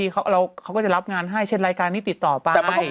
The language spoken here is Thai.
เขาก็จะรับงานให้เช่นรายการนี้ติดต่อไป